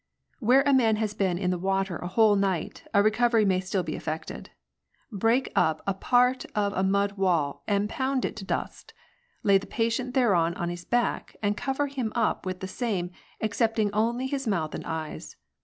" Where a man has been in the water a whole night, a recovery may still be eflfected. Break up part of a mud wall and pound it to dust ; lay the patient thereon on his back, and cover him up with the same, excepting only his mouth and eyes.